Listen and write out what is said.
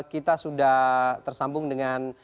kita sudah tersambung dengan